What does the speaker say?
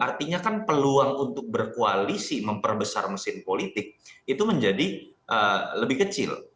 artinya kan peluang untuk berkoalisi memperbesar mesin politik itu menjadi lebih kecil